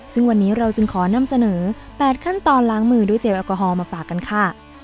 ซึ่งวันนี้เราจึงขอนำเสนอ๘ขั้นตอนล้างมือด้วยเจลแอลกอฮอลมาฝากกันค่ะ